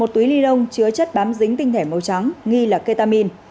một túy ly lông chứa chất bám dính tinh thể màu trắng nghi là ketamin